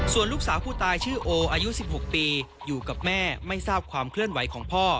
ส่วนลูกสาวผู้ตายชื่อโออายุ๑๖ปีอยู่กับแม่ไม่ทราบความเคลื่อนไหวของพ่อ